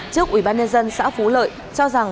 trước ubnd xã phú lợi cho rằng